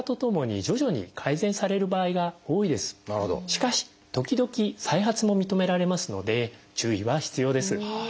しかし時々再発も認められますので注意は必要です。